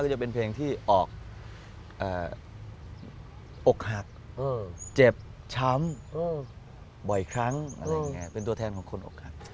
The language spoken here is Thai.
ก็จะเป็นเพลงที่ออกออกหักเจ็บช้ำบ่อยครั้งเป็นตัวแทนของคนออกหัก